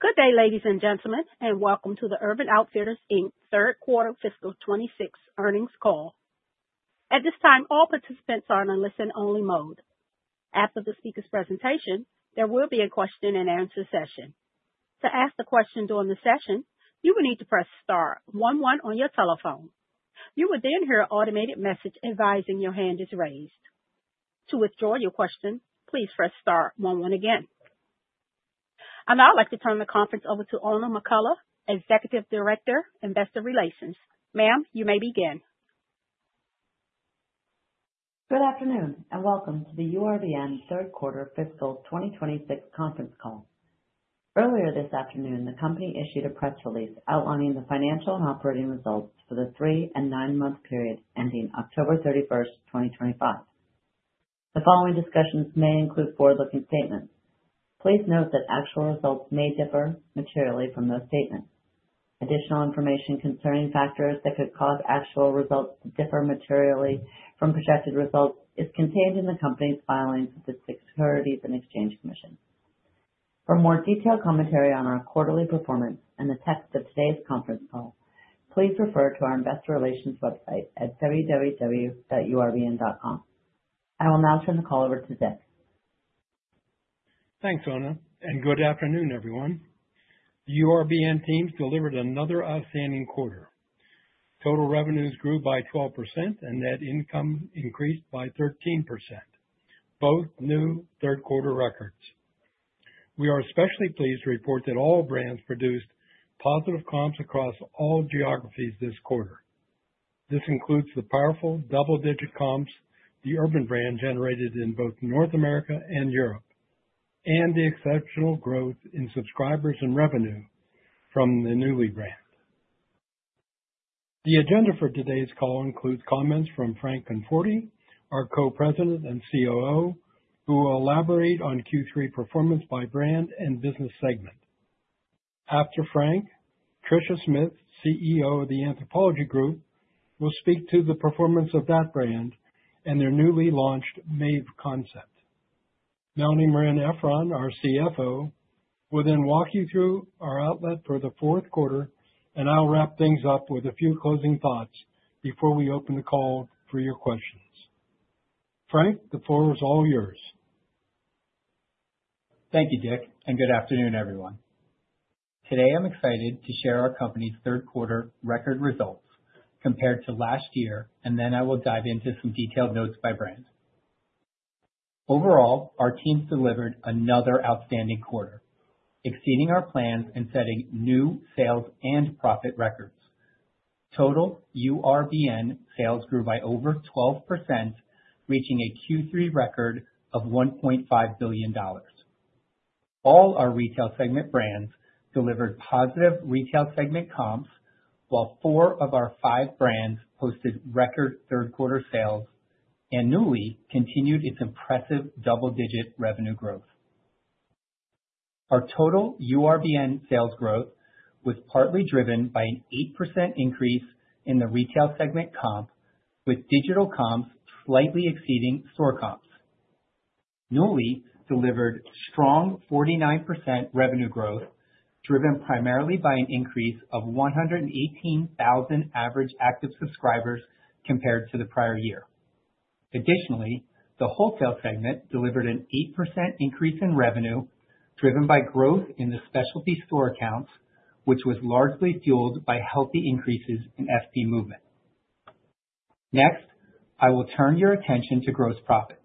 Good day, ladies and gentlemen, and welcome to the Urban Outfitters, Inc. Third quarter fiscal 2024 earnings call. At this time, all participants are in a listen-only mode. After the speaker's presentation, there will be a question-and-answer session. To ask a question during the session, you will need to press star one one on your telephone. You will then hear an automated message advising your hand is raised. To withdraw your question, please press star one one again. I'd now like to turn the conference over to Oona McCullough, Executive Director, Investor Relations. Ma'am, you may begin. Good afternoon, and welcome to the URBN third quarter fiscal 2024 conference call. Earlier this afternoon, the company issued a press release outlining the financial and operating results for the three and nine-month period ending October 31st, 2025. The following discussions may include forward-looking statements. Please note that actual results may differ materially from those statements. Additional information concerning factors that could cause actual results to differ materially from projected results is contained in the company's filings with the Securities and Exchange Commission. For more detailed commentary on our quarterly performance and the text of today's conference call, please refer to our investor relations website at www.urbn.com. I will now turn the call over to Dick. Thanks, Oona. Good afternoon, everyone. The URBN teams delivered another outstanding quarter. Total revenues grew by 12% and net income increased by 13%, both new third quarter records. We are especially pleased to report that all brands produced positive comps across all geographies this quarter. This includes the powerful double-digit comps, the Urban brand generated in both North America and Europe, and the exceptional growth in subscribers and revenue from the Nuuly brand. The agenda for today's call includes comments from Frank Conforti, our Co-President and COO, who will elaborate on Q3 performance by brand and business segment. After Frank, Tricia Smith, CEO of the Anthropologie Group, will speak to the performance of that brand and their newly launched Maeve concept. Melanie Marein-Efron, our CFO, will then walk you through our outlet for the fourth quarter, and I'll wrap things up with a few closing thoughts before we open the call for your questions. Frank, the floor is all yours. Thank you, Dick. Good afternoon, everyone. Today, I'm excited to share our company's third quarter record results compared to last year. I will dive into some detailed notes by brand. Overall, our teams delivered another outstanding quarter, exceeding our plans and setting new sales and profit records. Total URBN sales grew by over 12%, reaching a Q3 record of $1.5 billion. All our Retail segment brands delivered positive Retail segment comps, while four of our five brands posted record third quarter sales. Nuuly continued its impressive double-digit revenue growth. Our total URBN sales growth was partly driven by an 8% increase in the Retail segment comp, with digital comps slightly exceeding store comps. Nuuly delivered strong 49% revenue growth, driven primarily by an increase of 118,000 average active subscribers compared to the prior year. Additionally, the Wholesale segment delivered an 8% increase in revenue, driven by growth in the specialty store accounts, which was largely fueled by healthy increases in ASP movement. Next, I will turn your attention to gross profit.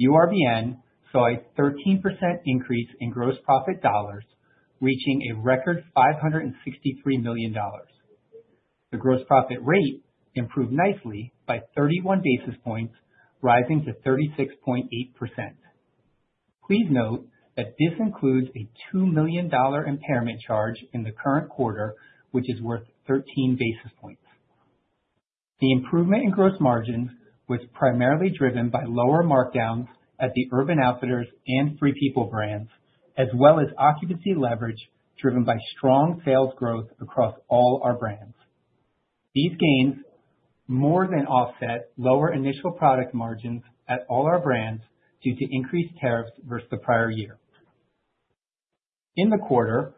URBN saw a 13% increase in gross profit dollars, reaching a record $563 million. The gross profit rate improved nicely by 31 basis points, rising to 36.8%. Please note that this includes a $2 million impairment charge in the current quarter, which is worth 13 basis points. The improvement in gross margins was primarily driven by lower markdowns at the Urban Outfitters and Free People brands, as well as occupancy leverage, driven by strong sales growth across all our brands. These gains more than offset lower initial product margins at all our brands due to increased tariffs versus the prior year. In the quarter,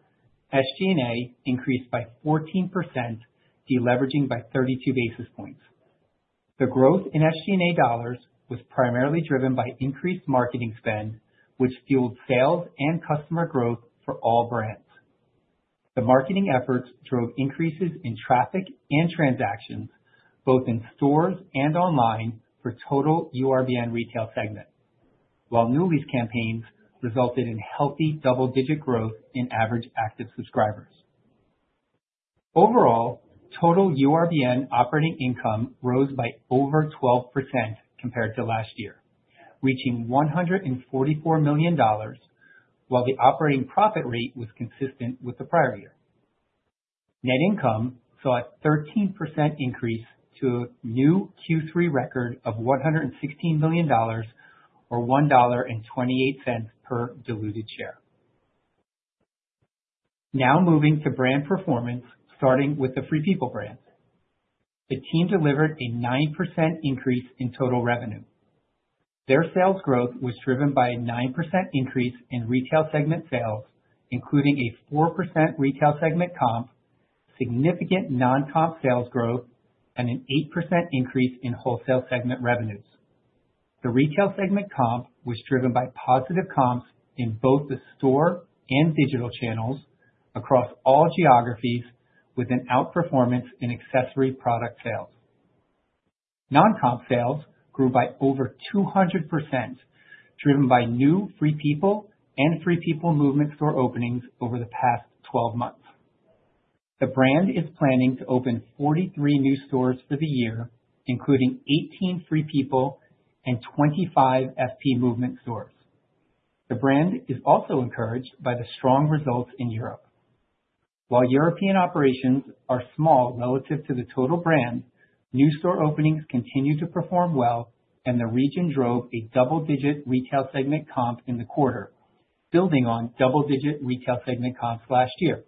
SG&A increased by 14%, deleveraging by 32 basis points. The growth in SG&A dollars was primarily driven by increased marketing spend, which fueled sales and customer growth for all brands. The marketing efforts drove increases in traffic and transactions, both in stores and online, for total URBN Retail segment, while Nuuly's campaigns resulted in healthy double-digit growth in average active subscribers. Overall, total URBN operating income rose by over 12% compared to last year, reaching $144 million, while the operating profit rate was consistent with the prior year. Net income saw a 13% increase to a new Q3 record of $116 million or $1.28 per diluted share. Moving to brand performance, starting with the Free People brand. The team delivered a 9% increase in total revenue. Their sales growth was driven by a 9% increase in Retail segment sales, including a 4% Retail segment comp, significant non-comp sales growth, and an 8% increase in Wholesale segment revenues. The Retail segment comp was driven by positive comps in both the store and digital channels across all geographies, with an outperformance in accessory product sales. Non-comp sales grew by over 200%, driven by new Free People and Free People Movement store openings over the past 12 months. The brand is planning to open 43 new stores for the year, including 18 Free People and 25 FP Movement stores. The brand is also encouraged by the strong results in Europe. While European operations are small relative to the total brand, new store openings continue to perform well, and the region drove a double-digit Retail segment comp in the quarter, building on double-digit Retail segment comps last year.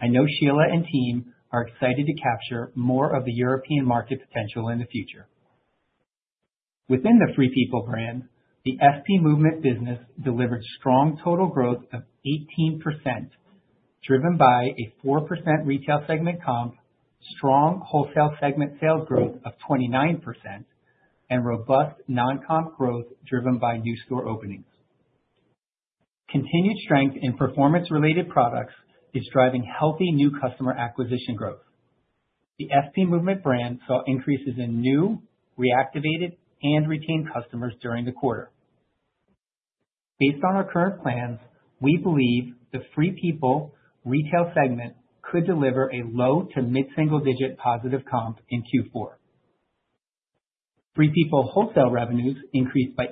I know Sheila and team are excited to capture more of the European market potential in the future. Within the Free People brand, the FP Movement business delivered strong total growth of 18%, driven by a 4% Retail segment comp, strong Wholesale segment sales growth of 29%, and robust non-comp growth, driven by new store openings. Continued strength in performance-related products is driving healthy new customer acquisition growth. The FP Movement brand saw increases in new, reactivated, and retained customers during the quarter. Based on our current plans, we believe the Free People Retail segment could deliver a low to mid-single digit positive comp in Q4. Free People wholesale revenues increased by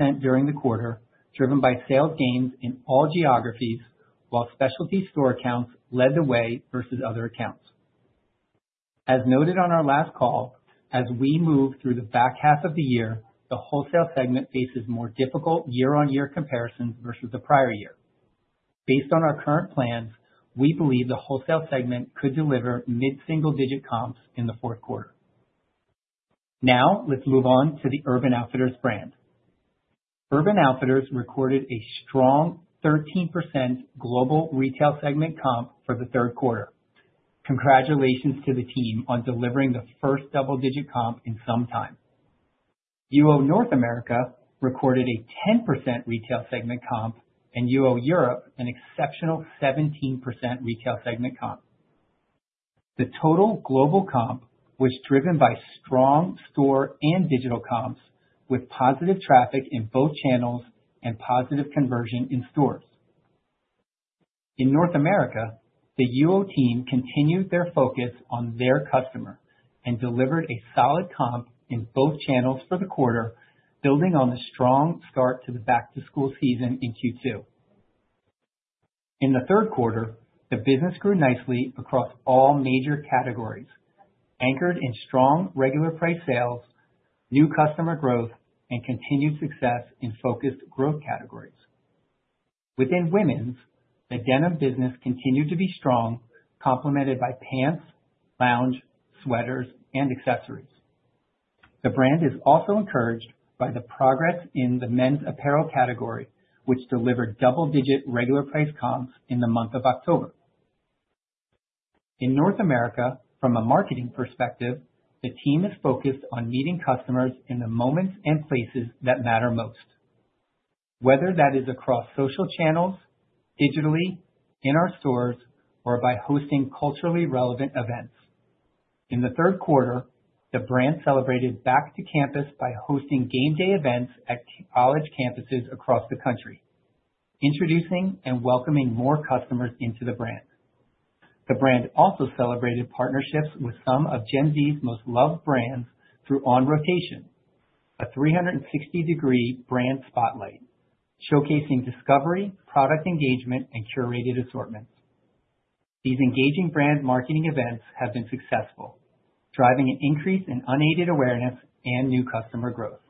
8% during the quarter, driven by sales gains in all geographies, while specialty store accounts led the way versus other accounts. As noted on our last call, as we move through the back half of the year, the Wholesale segment faces more difficult year-on-year comparisons versus the prior year. Based on our current plans, we believe the Wholesale segment could deliver mid-single digit comps in the fourth quarter. Now, let's move on to the Urban Outfitters brand. Urban Outfitters recorded a strong 13% global Retail segment comp for the third quarter. Congratulations to the team on delivering the first double-digit comp in some time. UO North America recorded a 10% Retail segment comp, and UO Europe, an exceptional 17% Retail segment comp. The total global comp was driven by strong store and digital comps, with positive traffic in both channels and positive conversion in stores. In North America, the UO team continued their focus on their customer and delivered a solid comp in both channels for the quarter, building on a strong start to the back-to-school season in Q2. In the third quarter, the business grew nicely across all major categories, anchored in strong regular priced sales, new customer growth, and continued success in focused growth categories. Within women's, the denim business continued to be strong, complemented by pants, lounge, sweaters, and accessories. The brand is also encouraged by the progress in the men's apparel category, which delivered double-digit regular price comps in the month of October. In North America, from a marketing perspective, the team is focused on meeting customers in the moments and places that matter most, whether that is across social channels, digitally, in our stores, or by hosting culturally relevant events. In the third quarter, the brand celebrated back to campus by hosting game day events at college campuses across the country, introducing and welcoming more customers into the brand. The brand also celebrated partnerships with some of Gen Z's most loved brands through On Rotation, a 360-degree brand spotlight showcasing discovery, product engagement, and curated assortments. These engaging brand marketing events have been successful, driving an increase in unaided awareness and new customer growth.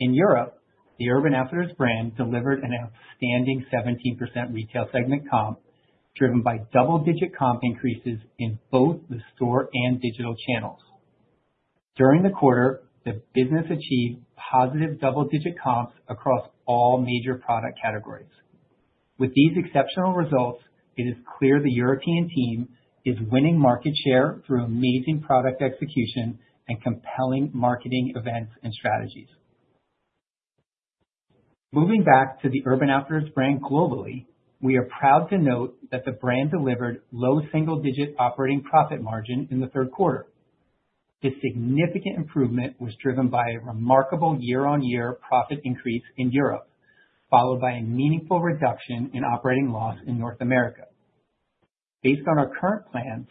In Europe, the Urban Outfitters brand delivered an outstanding 17% Retail segment comp, driven by double-digit comp increases in both the store and digital channels. During the quarter, the business achieved positive double-digit comps across all major product categories. With these exceptional results, it is clear the European team is winning market share through amazing product execution and compelling marketing events and strategies. Moving back to the Urban Outfitters brand globally, we are proud to note that the brand delivered low single-digit operating profit margin in the third quarter. This significant improvement was driven by a remarkable year-on-year profit increase in Europe, followed by a meaningful reduction in operating loss in North America. Based on our current plans,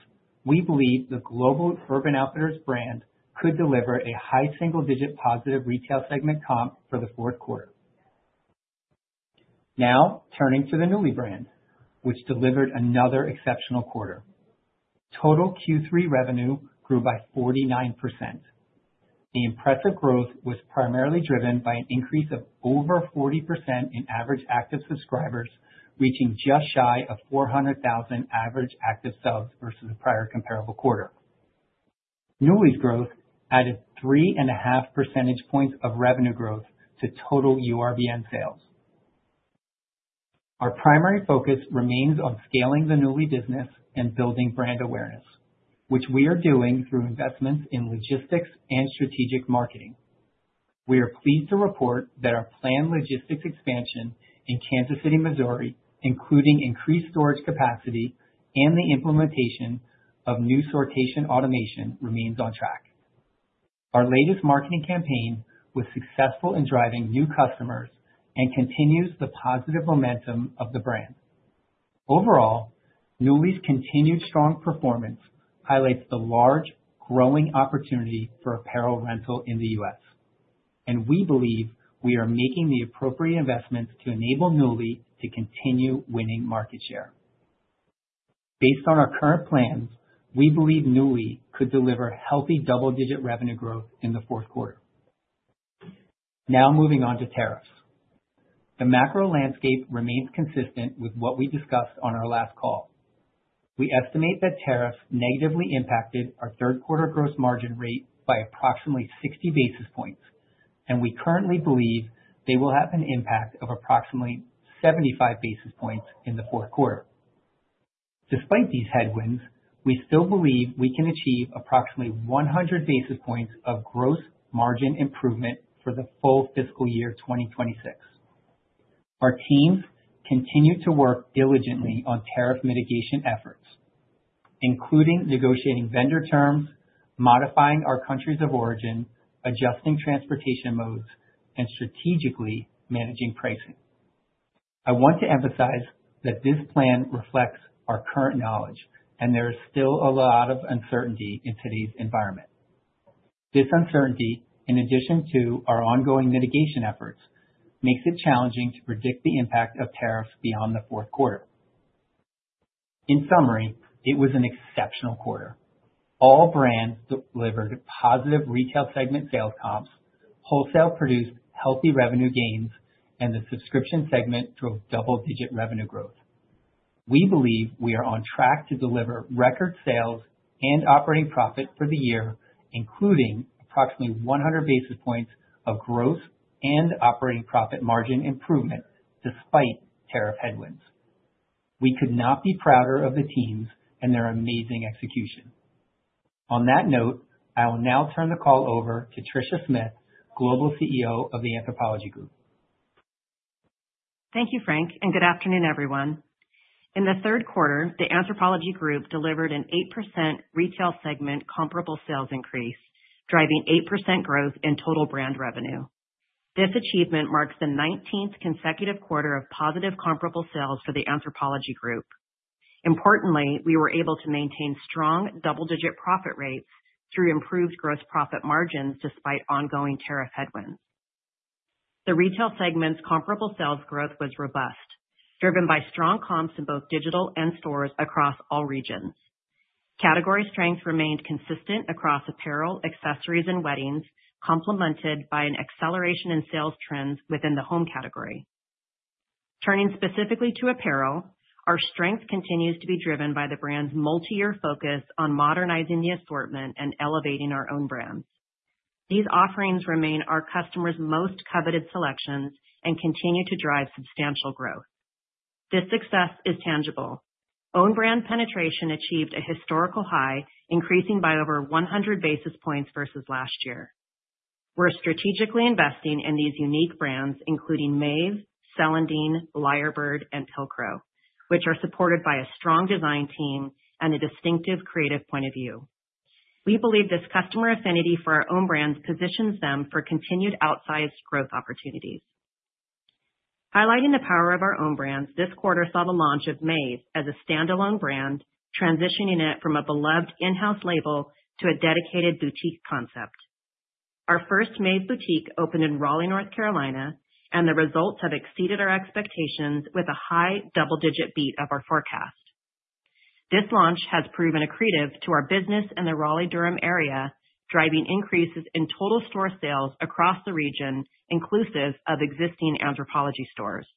we believe the global Urban Outfitters brand could deliver a high single-digit positive Retail segment comp for the fourth quarter. Turning to the Nuuly brand, which delivered another exceptional quarter. Total Q3 revenue grew by 49%. The impressive growth was primarily driven by an increase of over 40% in average active subscribers, reaching just shy of 400,000 average active subs versus the prior comparable quarter. Nuuly's growth added 3.5 percentage points of revenue growth to total URBN sales. Our primary focus remains on scaling the Nuuly business and building brand awareness, which we are doing through investments in logistics and strategic marketing. We are pleased to report that our planned logistics expansion in Kansas City, Missouri, including increased storage capacity and the implementation of new sortation automation, remains on track. Our latest marketing campaign was successful in driving new customers and continues the positive momentum of the brand. Overall, Nuuly's continued strong performance highlights the large, growing opportunity for apparel rental in the U.S., we believe we are making the appropriate investments to enable Nuuly to continue winning market share. Based on our current plans, we believe Nuuly could deliver healthy double-digit revenue growth in the fourth quarter. Moving on to tariffs. The macro landscape remains consistent with what we discussed on our last call. We estimate that tariffs negatively impacted our third quarter gross margin rate by approximately 60 basis points, we currently believe they will have an impact of approximately 75 basis points in the fourth quarter. Despite these headwinds, we still believe we can achieve approximately 100 basis points of gross margin improvement for the full fiscal year 2024. Our teams continue to work diligently on tariff mitigation efforts, including negotiating vendor terms, modifying our countries of origin, adjusting transportation modes, and strategically managing pricing. I want to emphasize that this plan reflects our current knowledge. There is still a lot of uncertainty in today's environment. This uncertainty, in addition to our ongoing mitigation efforts, makes it challenging to predict the impact of tariffs beyond the fourth quarter. In summary, it was an exceptional quarter. All brands delivered positive Retail segment sales comps, wholesale produced healthy revenue gains. The subscription segment drove double-digit revenue growth. We believe we are on track to deliver record sales and operating profit for the year, including approximately 100 basis points of growth and operating profit margin improvement despite tariff headwinds. We could not be prouder of the teams and their amazing execution. On that note, I will now turn the call over to Tricia Smith, Global CEO of the Anthropologie Group. Thank you, Frank. Good afternoon, everyone. In the third quarter, the Anthropologie Group delivered an 8% Retail segment comparable sales increase, driving 8% growth in total brand revenue. This achievement marks the 19th consecutive quarter of positive comparable sales for the Anthropologie Group. Importantly, we were able to maintain strong double-digit profit rates through improved gross profit margins, despite ongoing tariff headwinds. The Retail segment's comparable sales growth was robust, driven by strong comps in both digital and stores across all regions. Category strength remained consistent across apparel, accessories, and weddings, complemented by an acceleration in sales trends within the home category. Turning specifically to apparel, our strength continues to be driven by the brand's multi-year focus on modernizing the assortment and elevating our own brands. These offerings remain our customers' most coveted selections and continue to drive substantial growth. This success is tangible. Own brand penetration achieved a historical high, increasing by over 100 basis points versus last year. We're strategically investing in these unique brands, including Maeve, Celandine, Lyrebird, and Pilcrow, which are supported by a strong design team and a distinctive creative point of view. We believe this customer affinity for our own brands positions them for continued outsized growth opportunities. Highlighting the power of our own brands, this quarter saw the launch of Maeve as a standalone brand, transitioning it from a beloved in-house label to a dedicated boutique concept. Our first Maeve boutique opened in Raleigh, North Carolina, and the results have exceeded our expectations with a high double-digit beat of our forecast. This launch has proven accretive to our business in the Raleigh-Durham area, driving increases in total store sales across the region, inclusive of existing Anthropologie stores.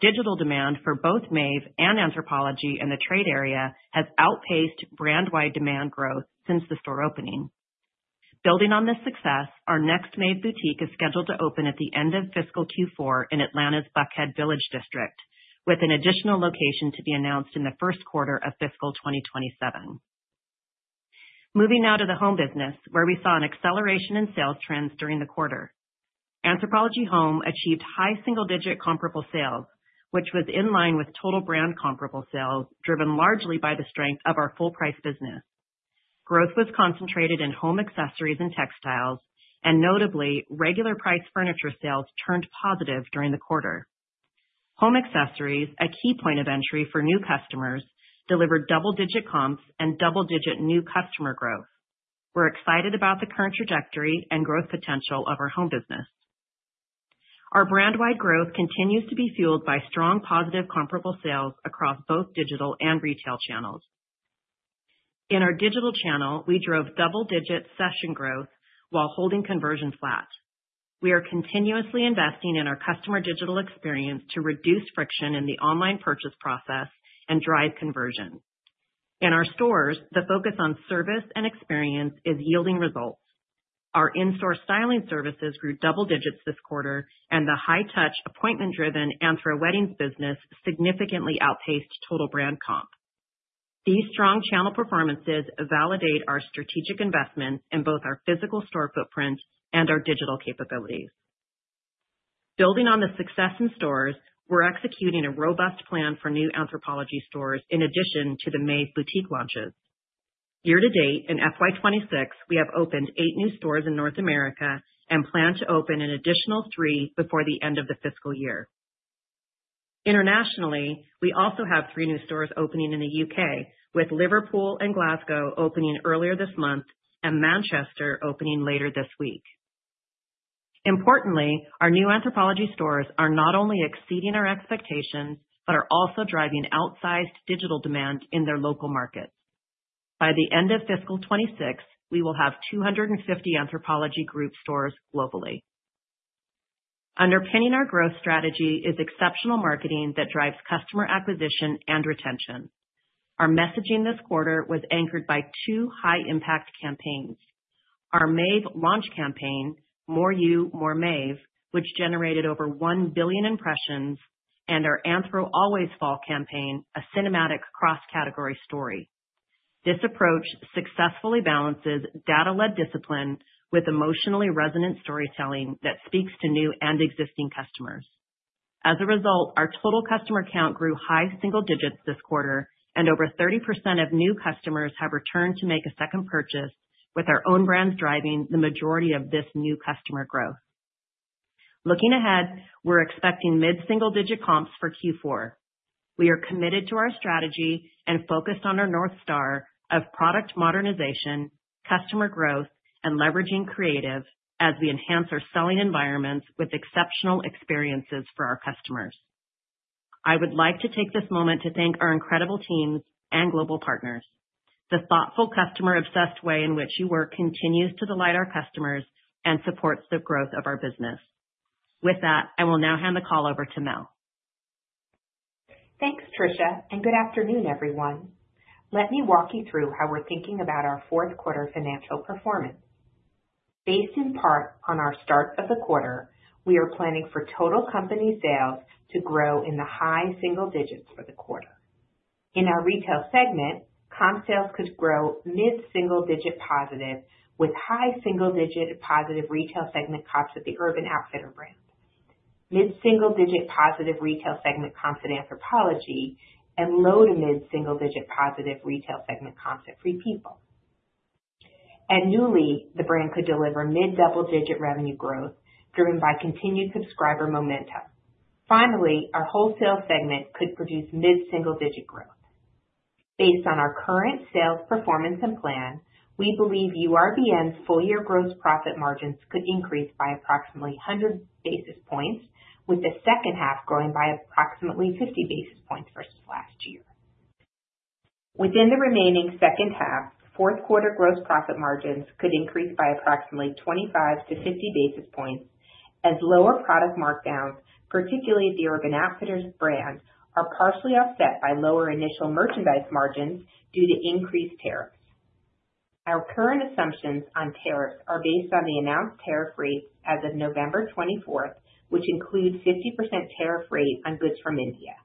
Digital demand for both Maeve and Anthropologie in the trade area has outpaced brand-wide demand growth since the store opening. Building on this success, our next Maeve boutique is scheduled to open at the end of fiscal Q4 in Atlanta's Buckhead Village District, with an additional location to be announced in the first quarter of fiscal 2025. Moving now to the home business, where we saw an acceleration in sales trends during the quarter. Anthropologie Home achieved high single-digit comparable sales, which was in line with total brand comparable sales, driven largely by the strength of our full price business. Growth was concentrated in home accessories and textiles, and notably, regular priced furniture sales turned positive during the quarter. Home accessories, a key point of entry for new customers, delivered double-digit comps and double-digit new customer growth. We're excited about the current trajectory and growth potential of our home business. Our brand-wide growth continues to be fueled by strong positive comparable sales across both digital and retail channels. In our digital channel, we drove double-digit session growth while holding conversion flat. We are continuously investing in our customer digital experience to reduce friction in the online purchase process and drive conversion. In our stores, the focus on service and experience is yielding results. Our in-store styling services grew double digits this quarter, and the high-touch, appointment-driven Anthro weddings business significantly outpaced total brand comp. These strong channel performances validate our strategic investment in both our physical store footprint and our digital capabilities. Building on the success in stores, we're executing a robust plan for new Anthropologie stores in addition to the Maeve boutique launches. Year-to-date, in FY 2024, we have opened eight new stores in North America and plan to open an additional three before the end of the fiscal year. Internationally, we also have three new stores opening in the U.K., with Liverpool and Glasgow opening earlier this month and Manchester opening later this week. Importantly, our new Anthropologie stores are not only exceeding our expectations, but are also driving outsized digital demand in their local markets. By the end of fiscal 2024, we will have 250 Anthropologie Group stores globally. Underpinning our growth strategy is exceptional marketing that drives customer acquisition and retention. Our messaging this quarter was anchored by two high-impact campaigns: Our Maeve launch campaign, More You, More Maeve, which generated over 1 billion impressions, and our Anthro, Always Fall campaign, a cinematic cross-category story. This approach successfully balances data-led discipline with emotionally resonant storytelling that speaks to new and existing customers. As a result, our total customer count grew high single digits this quarter, and over 30% of new customers have returned to make a second purchase, with our own brands driving the majority of this new customer growth. Looking ahead, we're expecting mid-single digit comps for Q4. We are committed to our strategy and focused on our North Star of product modernization, customer growth, and leveraging creative as we enhance our selling environments with exceptional experiences for our customers. I would like to take this moment to thank our incredible teams and global partners. The thoughtful, customer-obsessed way in which you work continues to delight our customers and supports the growth of our business. With that, I will now hand the call over to Mel. Thanks, Tricia. Good afternoon, everyone. Let me walk you through how we're thinking about our fourth quarter financial performance. Based in part on our start of the quarter, we are planning for total company sales to grow in the high single digits for the quarter. In our Retail segment, comp sales could grow mid-single digit positive, with high single digit positive Retail segment comps at the Urban Outfitters brand, mid-single digit positive Retail segment comps at Anthropologie, and low to mid-single digit positive Retail segment comps at Free People. At Nuuly, the brand could deliver mid-double-digit revenue growth, driven by continued subscriber momentum. Finally, our Wholesale segment could produce mid-single-digit growth. Based on our current sales, performance, and plan, we believe URBN's full-year gross profit margins could increase by approximately 100 basis points, with the second half growing by approximately 50 basis points versus last year. Within the remaining second half, fourth quarter gross profit margins could increase by approximately 25 to 50 basis points as lower product markdowns, particularly at the Urban Outfitters brand, are partially offset by lower initial merchandise margins due to increased tariffs. Our current assumptions on tariffs are based on the announced tariff rates as of November 24th, which includes 50% tariff rate on goods from India.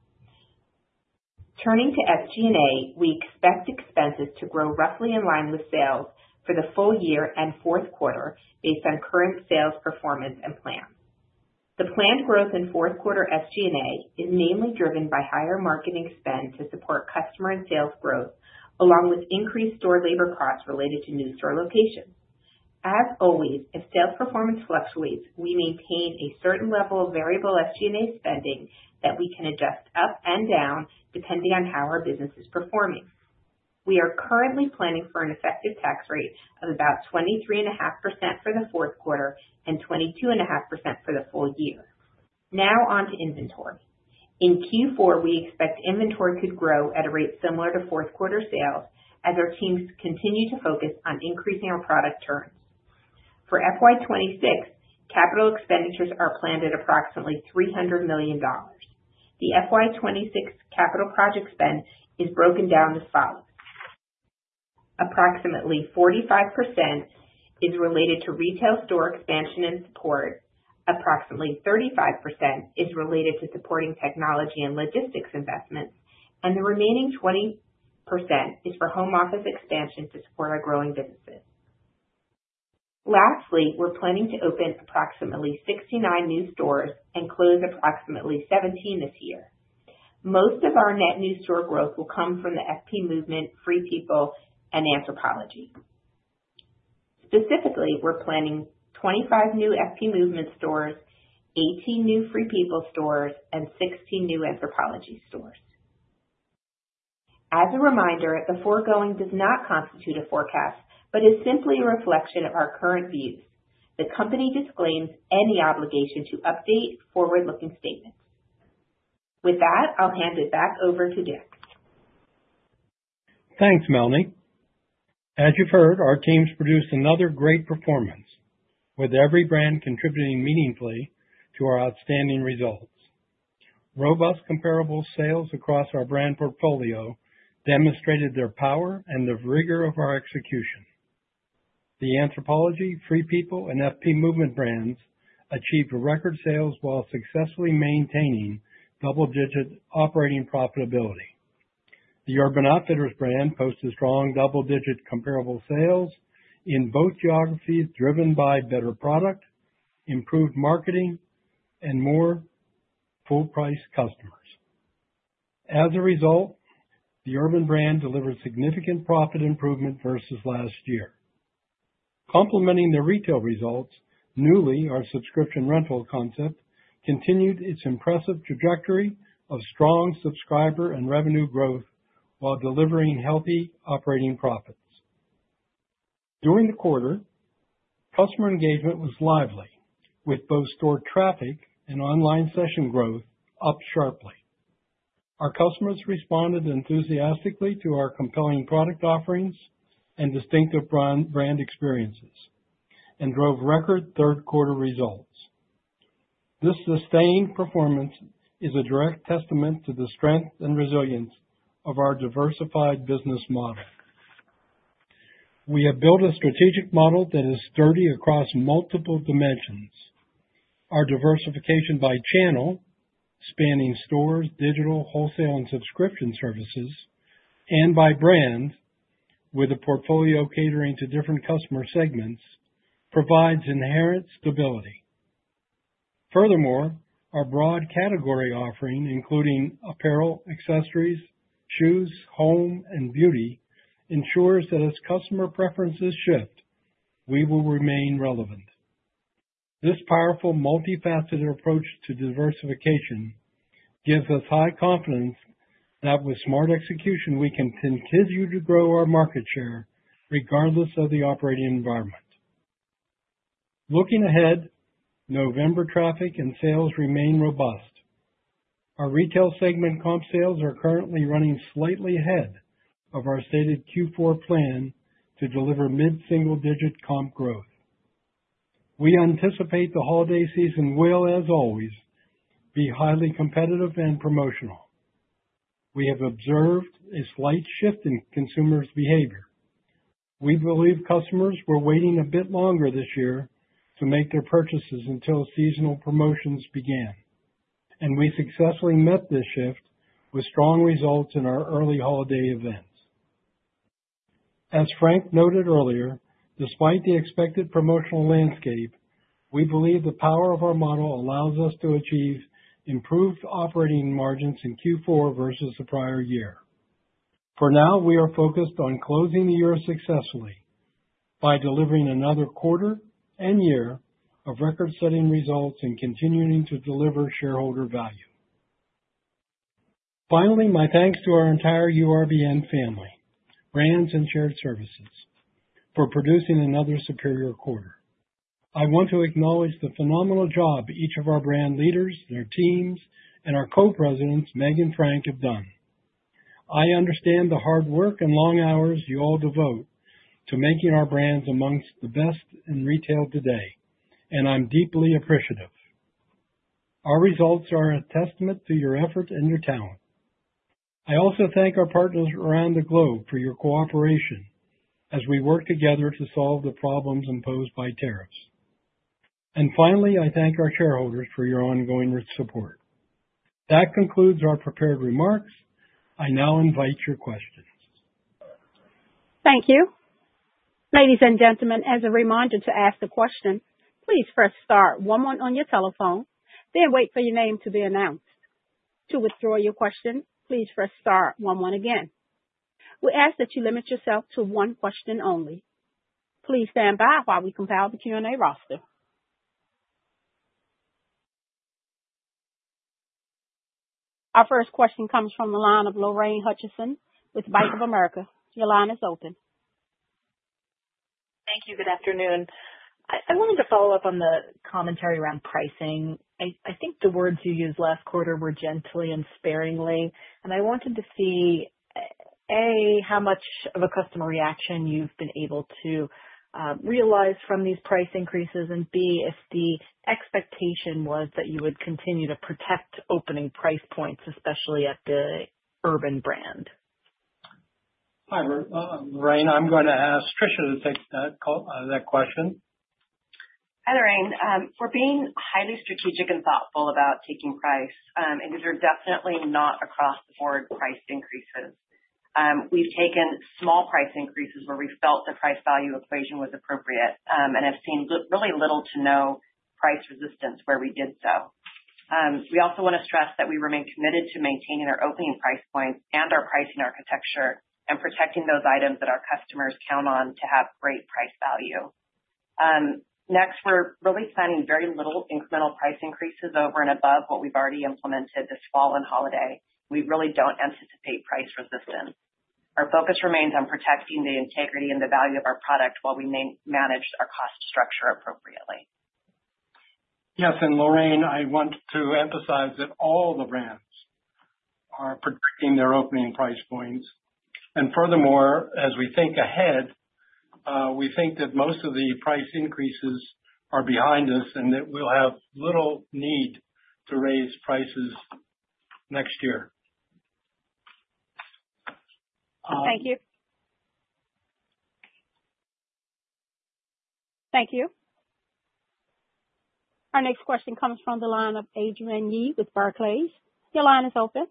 Turning to SG&A, we expect expenses to grow roughly in line with sales for the full year and fourth quarter based on current sales, performance, and plan. The planned growth in fourth quarter SG&A is mainly driven by higher marketing spend to support customer and sales growth, along with increased store labor costs related to new store locations. As always, if sales performance fluctuates, we maintain a certain level of variable SG&A spending that we can adjust up and down, depending on how our business is performing. We are currently planning for an effective tax rate of about 23.5% for the fourth quarter and 22.5% for the full year. Now on to inventory. In Q4, we expect inventory could grow at a rate similar to fourth quarter sales as our teams continue to focus on increasing our product turns. For FY 2024, capital expenditures are planned at approximately $300 million. The FY 2024 capital project spend is broken down as follows: approximately 45% is related to retail store expansion and support, approximately 35% is related to supporting technology and logistics investments, and the remaining 20% is for home office expansion to support our growing businesses. We're planning to open approximately 69 new stores and close approximately 17 this year. Most of our net new store growth will come from the FP Movement, Free People, and Anthropologie. Specifically, we're planning 25 new FP Movement stores, 18 new Free People stores, and 16 new Anthropologie stores. As a reminder, the foregoing does not constitute a forecast, but is simply a reflection of our current views. The company disclaims any obligation to update forward-looking statements. With that, I'll hand it back over to Dick. Thanks, Melanie. As you've heard, our teams produced another great performance, with every brand contributing meaningfully to our outstanding results. Robust comparable sales across our brand portfolio demonstrated their power and the rigor of our execution. The Anthropologie, Free People, and FP Movement brands achieved record sales while successfully maintaining double-digit operating profitability. The Urban Outfitters brand posted strong double-digit comparable sales in both geographies, driven by better product, improved marketing, and more full-price customers. As a result, the Urban brand delivered significant profit improvement versus last year. Complementing the retail results, Nuuly, our subscription rental concept, continued its impressive trajectory of strong subscriber and revenue growth while delivering healthy operating profits. During the quarter, customer engagement was lively, with both store traffic and online session growth up sharply. Our customers responded enthusiastically to our compelling product offerings and distinctive brand experiences and drove record third quarter results. This sustained performance is a direct testament to the strength and resilience of our diversified business model. We have built a strategic model that is sturdy across multiple dimensions. Our diversification by channel, spanning stores, digital, wholesale, and subscription services, and by brand, with a portfolio catering to different customer segments, provides inherent stability. Furthermore, our broad category offering, including apparel, accessories, shoes, home, and beauty, ensures that as customer preferences shift, we will remain relevant. This powerful, multifaceted approach to diversification gives us high confidence that with smart execution, we can continue to grow our market share regardless of the operating environment. Looking ahead, November traffic and sales remain robust. Our Retail segment comp sales are currently running slightly ahead of our stated Q4 plan to deliver mid-single digit comp growth. We anticipate the holiday season will, as always, be highly competitive and promotional. We have observed a slight shift in consumers' behavior. We believe customers were waiting a bit longer this year to make their purchases until seasonal promotions began, and we successfully met this shift with strong results in our early holiday events. As Frank noted earlier, despite the expected promotional landscape, we believe the power of our model allows us to achieve improved operating margins in Q4 versus the prior year. For now, we are focused on closing the year successfully by delivering another quarter and year of record-setting results and continuing to deliver shareholder value. Finally, my thanks to our entire URBN family, brands, and shared services for producing another superior quarter. I want to acknowledge the phenomenal job each of our brand leaders, their teams, and our co-presidents, Mel and Frank, have done. I understand the hard work and long hours you all devote to making our brands amongst the best in retail today, and I'm deeply appreciative. Our results are a testament to your efforts and your talent. I also thank our partners around the globe for your cooperation as we work together to solve the problems imposed by tariffs. Finally, I thank our shareholders for your ongoing support. That concludes our prepared remarks. I now invite your questions. Thank you. Ladies and gentlemen, as a reminder, to ask a question, please press star one on your telephone, then wait for your name to be announced. To withdraw your question, please press star one one again. We ask that you limit yourself to one question only. Please stand by while we compile the Q&A roster. Our first question comes from the line of Lorraine Hutchinson with Bank of America. Your line is open. Thank you. Good afternoon. I wanted to follow up on the commentary around pricing. I think the words you used last quarter were gently and sparingly, and I wanted to see, A, how much of a customer reaction you've been able to realize from these price increases, and B, if the expectation was that you would continue to protect opening price points, especially at the Urban brand. Hi, Lorraine. I'm going to ask Tricia to take that call, that question. Hi, Lorraine. We're being highly strategic and thoughtful about taking price, these are definitely not across-the-board price increases. We've taken small price increases where we felt the price-value equation was appropriate, have seen really little to no price resistance where we did so. We also want to stress that we remain committed to maintaining our opening price points and our pricing architecture and protecting those items that our customers count on to have great price value. Next, we're really planning very little incremental price increases over and above what we've already implemented this fall and holiday. We really don't anticipate price resistance. Our focus remains on protecting the integrity and the value of our product while we manage our cost structure appropriately. Yes, Lorraine, I want to emphasize that all the brands are protecting their opening price points. Furthermore, as we think ahead, we think that most of the price increases are behind us, and that we'll have little need to raise prices next year. Thank you. Thank you. Our next question comes from the line of Adrienne Yih with Barclays. Your line is open.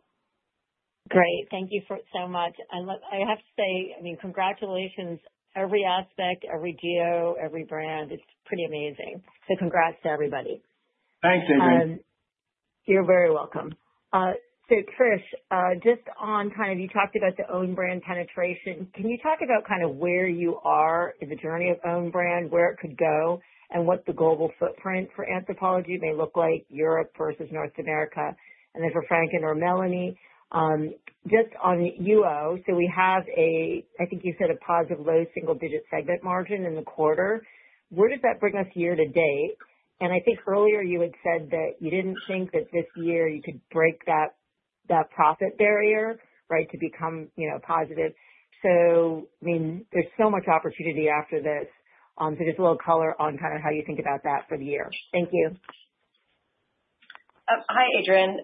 Great. Thank you for it so much. Look, I have to say, I mean, congratulations. Every aspect, every geo, every brand, it's pretty amazing. Congrats to everybody. Thanks, Adrienne. You're very welcome. Trish, just on kind of you talked about the own brand penetration. Can you talk about kind of where you are in the journey of own brand, where it could go, and what the global footprint for Anthropologie may look like, Europe versus North America? Then for Frank or Melanie, just on UO, we have a... I think you said a positive, low single-digit segment margin in the quarter. Where does that bring us year-to-date? I think earlier you had said that you didn't think that this year you could break that profit barrier, right, to become, you know, positive. I mean, there's so much opportunity after this. Just a little color on kind of how you think about that for the year. Thank you. Hi, Adrienne.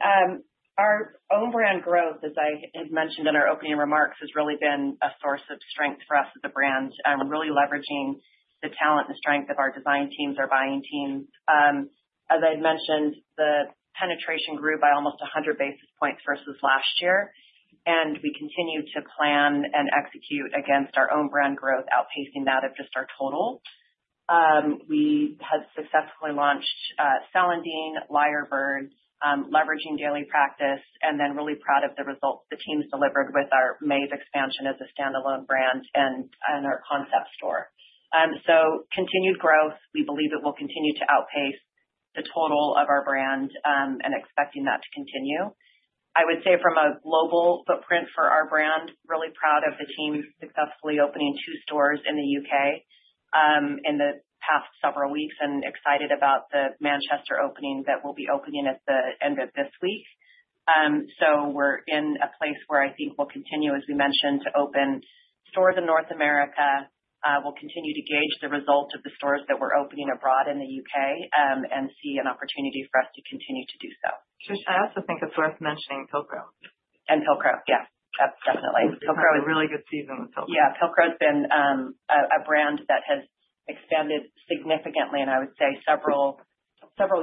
Our own brand growth, as I had mentioned in our opening remarks, has really been a source of strength for us as a brand, and we're really leveraging the talent and strength of our design teams, our buying teams. As I mentioned, the penetration grew by almost 100 basis points versus last year, and we continue to plan and execute against our own brand growth, outpacing that of just our total. We have successfully launched Celandine, Lyrebird, leveraging Daily Practice, and then really proud of the results the teams delivered with our Maeve expansion as a standalone brand and our concept store. So continued growth, we believe it will continue to outpace the total of our brand, and expecting that to continue. I would say from a global footprint for our brand, really proud of the team successfully opening two stores in the U.K. in the past several weeks. Excited about the Manchester opening that will be opening at the end of this week. We're in a place where I think we'll continue, as we mentioned, to open stores in North America. We'll continue to gauge the results of the stores that we're opening abroad in the U.K., and see an opportunity for us to continue to do so. Trish, I also think it's worth mentioning Pilcrow. Pilcrow. Yeah, definitely. Pilcrow. A really good season with Pilcrow. Pilcrow has been a brand that has expanded significantly. I would say several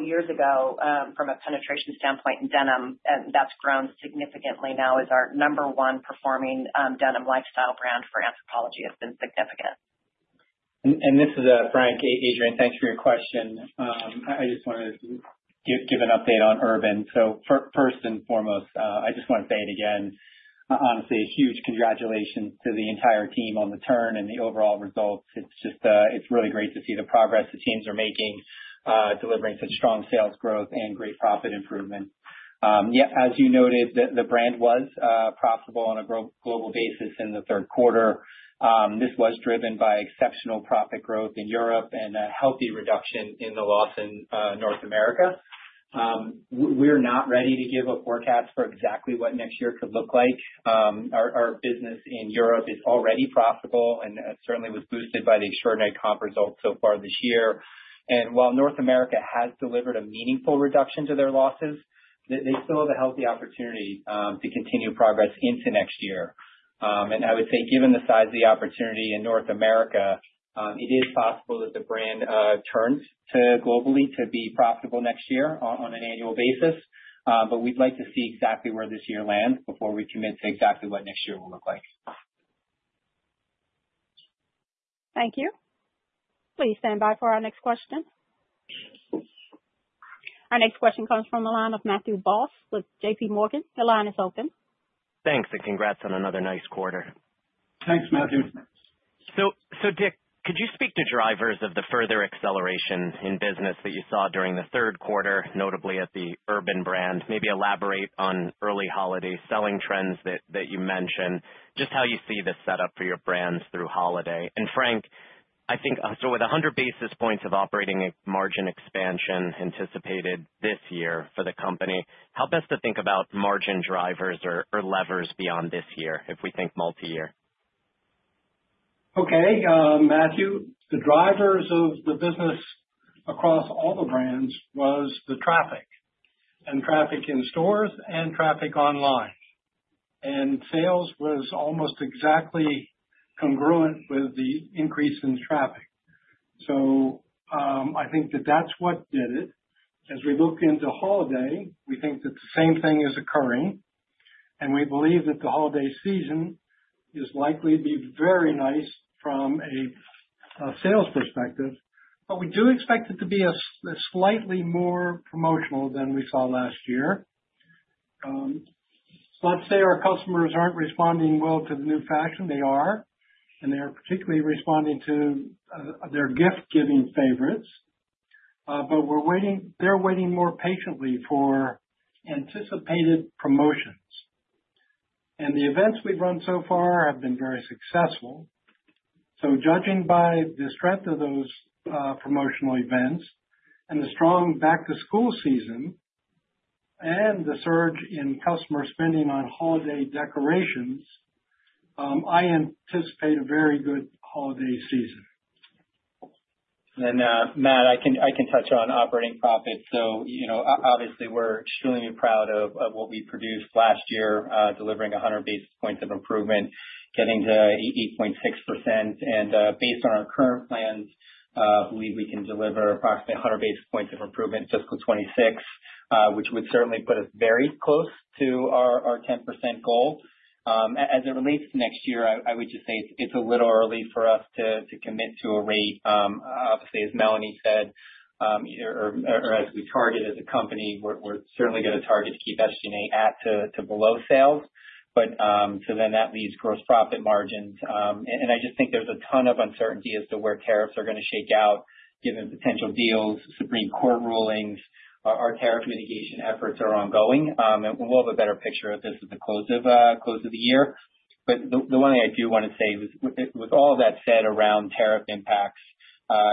years ago, from a penetration standpoint in denim, and that's grown significantly, now is our number 1 performing denim lifestyle brand for Anthropologie, has been significant. This is Frank. Adrienne, thanks for your question. I just wanted to give an update on Urban. First and foremost, I just want to say it again, honestly, a huge congratulations to the entire team on the turn and the overall results. It's just, it's really great to see the progress the teams are making, delivering such strong sales growth and great profit improvement. Yeah, as you noted, the brand was profitable on a global basis in the third quarter. This was driven by exceptional profit growth in Europe and a healthy reduction in the loss in North America. We're not ready to give a forecast for exactly what next year could look like. Our business in Europe is already profitable, that certainly was boosted by the extraordinary comp results so far this year. While North America has delivered a meaningful reduction to their losses, they still have a healthy opportunity to continue progress into next year. I would say, given the size of the opportunity in North America, it is possible that the brand turns to globally to be profitable next year on an annual basis. We'd like to see exactly where this year lands before we commit to exactly what next year will look like. Thank you. Please stand by for our next question. Our next question comes from the line of Matthew Boss with JPMorgan. The line is open. Thanks, congrats on another nice quarter. Thanks, Matthew. Dick, could you speak to drivers of the further acceleration in business that you saw during the third quarter, notably at the Urban brand? Maybe elaborate on early holiday selling trends that you mentioned, just how you see the setup for your brands through holiday? Frank, with 100 basis points of operating margin expansion anticipated this year for the company, how best to think about margin drivers or levers beyond this year, if we think multi-year? Matthew, the drivers of the business across all the brands was the traffic, and traffic in stores and traffic online. Sales was almost exactly congruent with the increase in traffic. I think that that's what did it. As we look into holiday, we think that the same thing is occurring, and we believe that the holiday season is likely to be very nice from a sales perspective, but we do expect it to be a slightly more promotional than we saw last year. I'd say our customers aren't responding well to the new fashion. They are, and they are particularly responding to their gift giving favorites. They're waiting more patiently for anticipated promotions. The events we've run so far have been very successful. Judging by the strength of those promotional events and the strong back to school season and the surge in customer spending on holiday decorations, I anticipate a very good holiday season. Matt, I can touch on operating profit. you know, obviously, we're extremely proud of what we produced last year, delivering 100 basis points of improvement, getting to 8.6%. Based on our current plans, we can deliver approximately 100 basis points of improvement fiscal 2024, which would certainly put us very close to our 10% goal. As it relates to next year, I would just say it's a little early for us to commit to a rate. Obviously, as Melanie said, either, or as we target as a company, we're certainly gonna target to keep SG&A to below sales. That leaves gross profit margins. I just think there's a ton of uncertainty as to where tariffs are gonna shake out, given potential deals, Supreme Court rulings. Our tariff mitigation efforts are ongoing. We'll have a better picture of this at the close of the year. The one thing I do wanna say is, with all that said, around tariff impacts,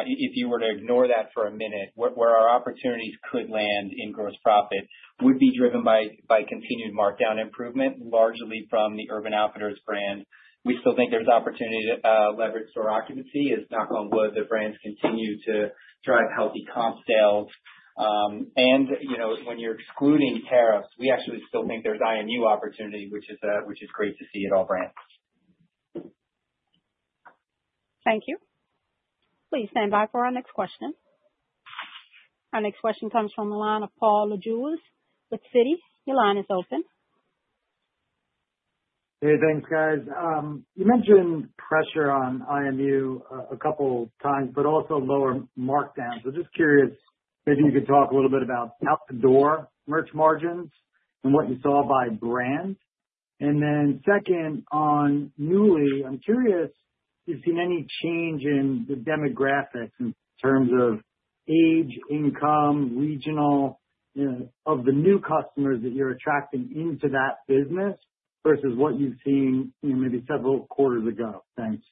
if you were to ignore that for a minute, where our opportunities could land in gross profit would be driven by continued markdown improvement, largely from the Urban Outfitters brand. We still think there's opportunity to leverage store occupancy as, knock on wood, the brands continue to drive healthy comp sales. You know, when you're excluding tariffs, we actually still think there's IMU opportunity, which is great to see at all brands. Thank you. Please stand by for our next question. Our next question comes from the line of Paul Lejuez with Citi. Your line is open. Hey, thanks, guys. You mentioned pressure on IMU, a couple times, but also lower markdowns. Just curious if you could talk a little bit about out the door merch margins and what you saw by brand? Second, on Nuuly, I'm curious if you've seen any change in the demographics in terms of age, income, regional, of the new customers that you're attracting into that business versus what you've seen in maybe several quarters ago? Thanks.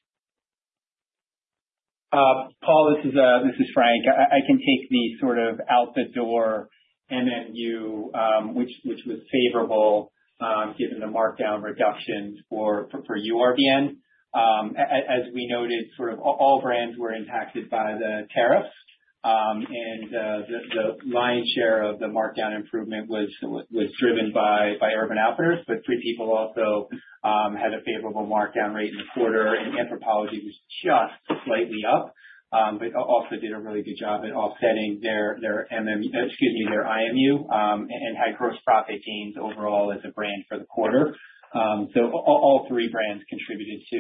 Paul, this is Frank. I can take the sort of out the door MMU, which was favorable, given the markdown reductions for URBN. As we noted, all brands were impacted by the tariffs. The lion's share of the markdown improvement was driven by Urban Outfitters. Free People also had a favorable markdown rate in the quarter, and Anthropologie was just slightly up, but also did a really good job at offsetting their IMU, and had gross profit gains overall as a brand for the quarter. All three brands contributed to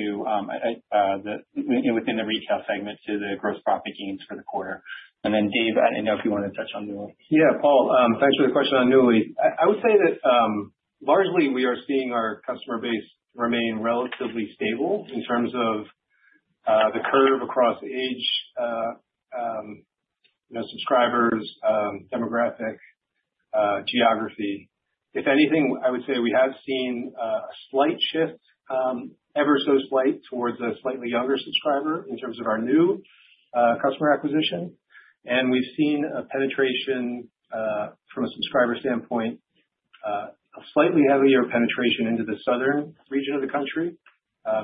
the, you know, within the Retail segment, to the gross profit gains for the quarter. Dave, I don't know if you wanna touch on Nuuly. Paul, thanks for the question on Nuuly. I would say that largely we are seeing our customer base remain relatively stable in terms of the curve across age, you know, subscribers, demographic, geography. If anything, I would say we have seen a slight shift, ever so slight towards a slightly younger subscriber in terms of our new customer acquisition. We've seen a penetration from a subscriber standpoint, a slightly heavier penetration into the southern region of the country,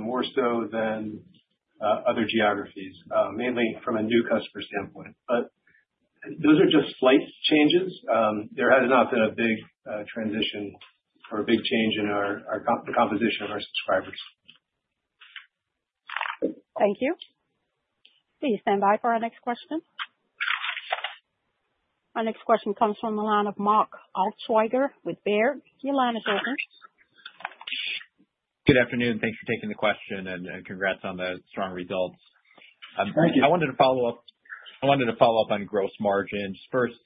more so than other geographies, mainly from a new customer standpoint. Those are just slight changes. There has not been a big transition or a big change in our, the composition of our subscribers. Thank you. Please stand by for our next question. Our next question comes from the line of Mark Altschwager with Baird. Your line is open. Good afternoon. Thanks for taking the question. Congrats on the strong results. Thank you. I wanted to follow up, I wanted to follow up on gross margins. First,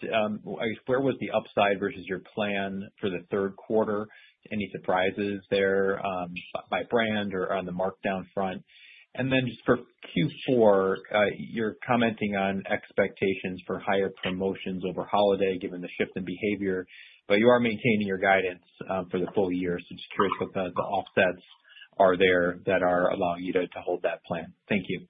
where was the upside versus your plan for the Third quarter? Any surprises there, by brand or on the markdown front? Then just for Q4, you're commenting on expectations for higher promotions over holiday, given the shift in behavior, but you are maintaining your guidance, for the full year. Just curious what the offsets are there that are allowing you to hold that plan. Thank you.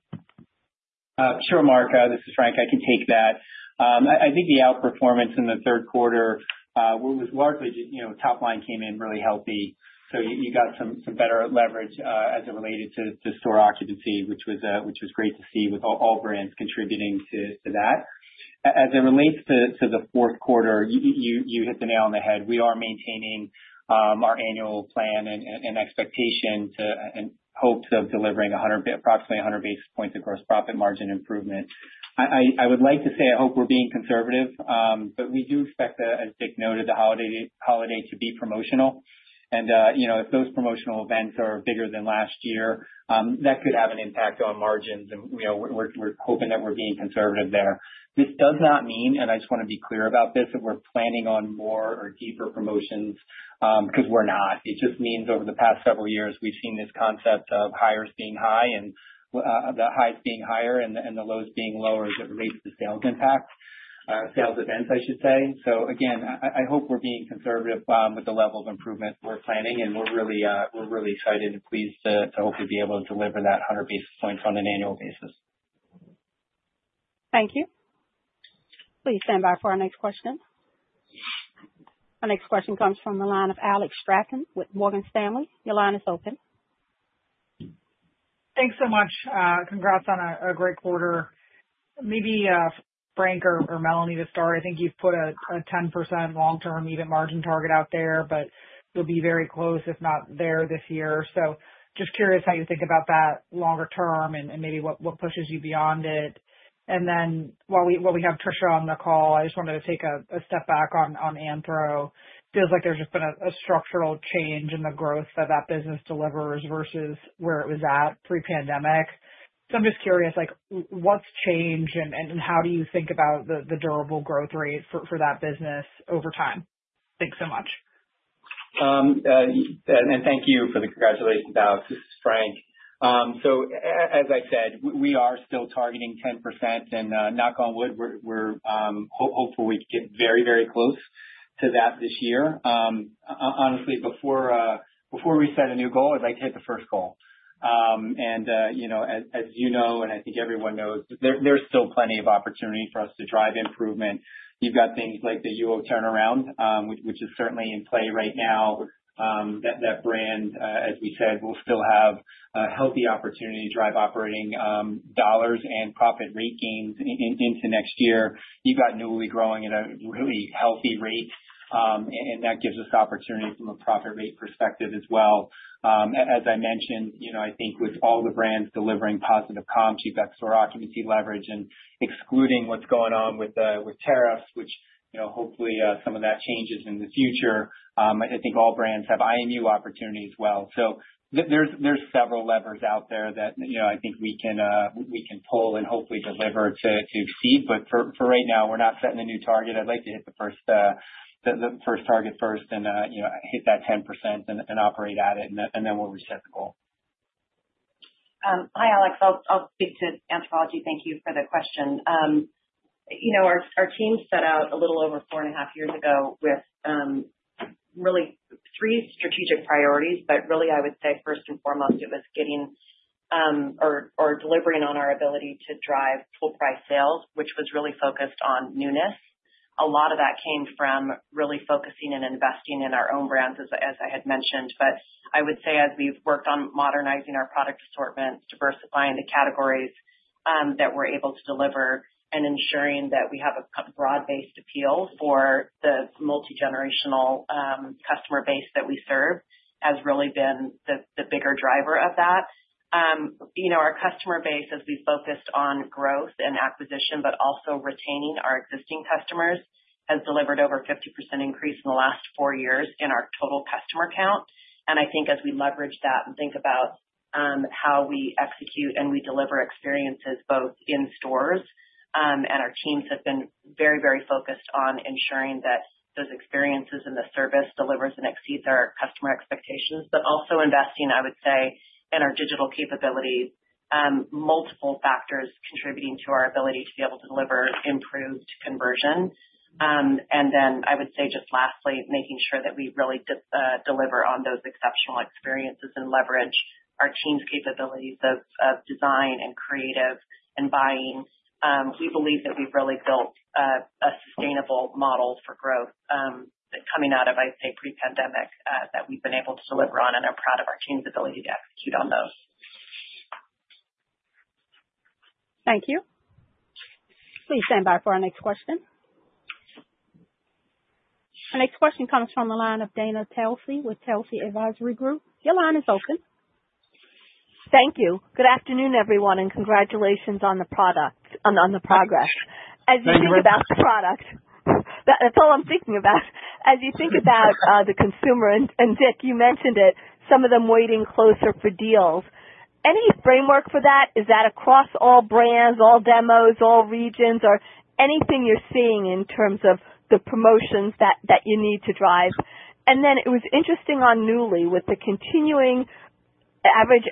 Sure, Mark, this is Frank. I can take that. I think the outperformance in the third quarter was largely, you know, top line came in really healthy, so you got some better leverage as it related to store occupancy, which was great to see with all brands contributing to that. As it relates to the fourth quarter, you hit the nail on the head. We are maintaining our annual plan and expectation to, and hopes of delivering approximately 100 basis points of gross profit margin improvement. I would like to say I hope we're being conservative, we do expect, as Dick noted, the holiday to be promotional. You know, if those promotional events are bigger than last year, that could have an impact on margins. You know, we're hoping that we're being conservative there. This does not mean, and I just wanna be clear about this, that we're planning on more or deeper promotions, because we're not. It just means over the past several years, we've seen this concept of the highs being higher and the lows being lower as it relates to sales impact... sales events, I should say. Again, I hope we're being conservative with the level of improvement we're planning, and we're really excited and pleased to hopefully be able to deliver that 100 basis points on an annual basis. Thank you. Please stand by for our next question. Our next question comes from the line of Alex Straton with Morgan Stanley. Your line is open. Thanks so much. Congrats on a great quarter. Maybe Frank or Melanie, to start, I think you've put a 10% long-term even margin target out there, but you'll be very close, if not there this year. Just curious how you think about that longer term and maybe what pushes you beyond it. While we have Tricia on the call, I just wanted to take a step back on Anthro. Feels like there's just been a structural change in the growth that that business delivers versus where it was at pre-pandemic. I'm just curious, like, what's changed, and how do you think about the durable growth rate for that business over time? Thanks so much. Thank you for the congratulations, Alex. This is Frank. As I said, we are still targeting 10%, and knock on wood, we're hopefully we get very, very close to that this year. Honestly, before, before we set a new goal, I'd like to hit the first goal. You know, as you know, I think everyone knows, there's still plenty of opportunity for us to drive improvement. You've got things like the UO turnaround, which is certainly in play right now. That brand, as we said, will still have a healthy opportunity to drive operating dollars and profit rate gains into next year. You've got Nuuly growing at a really healthy rate, and that gives us opportunity from a profit rate perspective as well. As I mentioned, you know, I think with all the brands delivering positive comp, you've got store occupancy leverage, and excluding what's going on with tariffs, which, you know, hopefully, some of that changes in the future, I think all brands have IMU opportunity as well. So there's several levers out there that, you know, I think we can pull and hopefully deliver to exceed. But for right now, we're not setting a new target. I'd like to hit the first, the first target first and, you know, hit that 10% and operate at it, and then we'll reset the goal. Hi, Alex. I'll speak to Anthropologie. Thank you for the question. You know, our team set out a little over 4.5 years ago with really three strategic priorities, but really, I would say, first and foremost, it was delivering on our ability to drive full price sales, which was really focused on newness. A lot of that came from really focusing and investing in our own brands, as I had mentioned. I would say as we've worked on modernizing our product assortments, diversifying the categories that we're able to deliver, and ensuring that we have a broad-based appeal for the multigenerational customer base that we serve, has really been the bigger driver of that. You know, our customer base, as we focused on growth and acquisition, but also retaining our existing customers, has delivered over 50% increase in the last four years in our total customer count. I think as we leverage that and think about how we execute and we deliver experiences both in stores, and our teams have been very focused on ensuring that those experiences and the service delivers and exceeds our customer expectations, but also investing, I would say, in our digital capabilities, multiple factors contributing to our ability to be able to deliver improved conversion. I would say, just lastly, making sure that we really deliver on those exceptional experiences and leverage our team's capabilities of design and creative and buying. We believe that we've really built a sustainable model for growth, coming out of, I'd say, pre-pandemic, that we've been able to deliver on, and are proud of our team's ability to execute on those. Thank you. Please stand by for our next question. Our next question comes from the line of Dana Telsey with Telsey Advisory Group. Your line is open. Thank you. Good afternoon, everyone, and congratulations on the progress. Thank you. As you think about the product, that's all I'm thinking about. As you think about the consumer, and Dick, you mentioned it, some of them waiting closer for deals, any framework for that? Is that across all brands, all demos, all regions, or anything you're seeing in terms of the promotions that you need to drive? It was interesting on Nuuly, with the continuing average